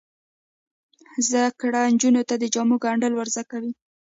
زده کړه نجونو ته د جامو ګنډل ور زده کوي.